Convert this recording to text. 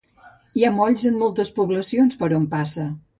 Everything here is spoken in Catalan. Hi ha molls en moltes poblacions per on passa.